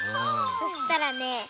そしたらね